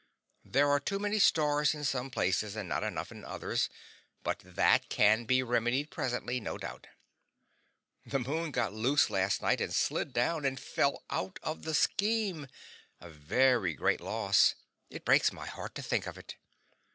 There are too many stars in some places and not enough in others, but that can be remedied presently, no doubt. The moon got loose last night, and slid down and fell out of the scheme a very great loss; it breaks my heart to think of it.